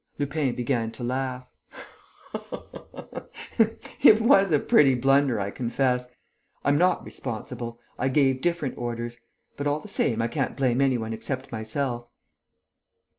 Lupin began to laugh: "It was a pretty blunder, I confess. I'm not responsible; I gave different orders. But, all the same I can't blame any one except myself."